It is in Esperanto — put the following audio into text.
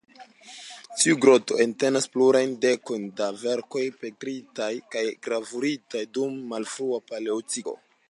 Tiu groto entenas plurajn dekojn da verkoj pentritaj kaj gravuritaj dum malfrua Paleolitiko.